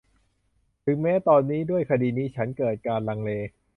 ถึงแม้ตอนนี้ ด้วยคดีนี้ ฉันเกิดการลังเล